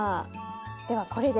ではこれで。